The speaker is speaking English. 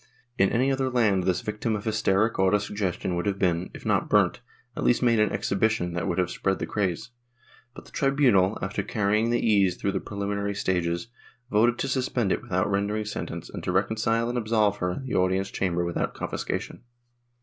In any other land this victim of hysteric auto sug gestion would have been, if not burnt, at least made an exhibition that would have spread the craze, but the tribunal, after carrying the case through the preliminary stages, voted to suspend it without rendering sentence and to reconcile and absolve her in the audience chamber without confiscation.